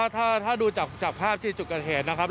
ถ้าดูจากภาพที่จุดเกิดเหตุนะครับ